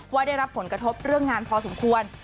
ได้รับผลกระทบเรื่องงานพอสมควร